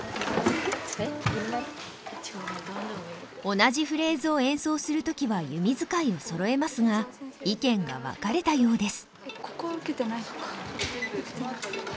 同じフレーズを演奏する時は弓使いをそろえますが意見が分かれたようです。